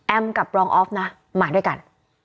กับรองออฟนะมาด้วยกัน